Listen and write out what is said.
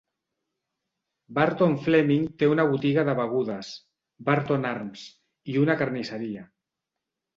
Burton Fleming té una botiga de begudes, Burton Arms, i una carnisseria.